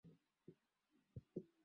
Ainuliwe juu sana.